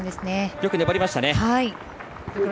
よく粘りましたね。